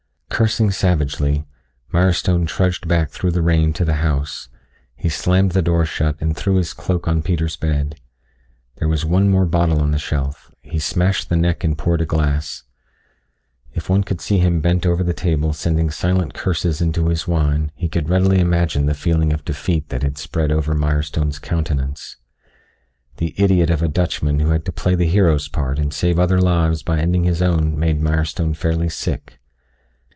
Cursing savagely, Milestone trudged back through the rain to the house. He slammed the door shut and threw his cloak on Peter's bed. There was one more bottle on the shelf; he smashed the neck and poured a glass. If one could see him bent over the table sending silent curses into his wine, he could readily imagine the feeling of defeat that had spread over Mirestone's countenance. The idiot of a Dutchman who had to play the hero's part and save other lives by ending his own made Mirestone fairly sick.